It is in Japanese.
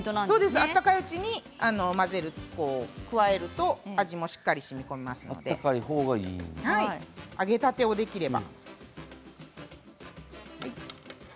温かいうちに加えると味もしっかりしみこみますので揚げたてをできれば。